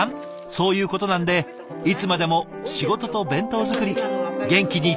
そういうことなんでいつまでも仕事と弁当作り元気に続けていって下さいね。